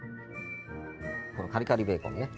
このカリカリベーコンね。